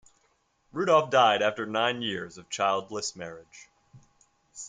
Rudolph died after nine years of childless marriage.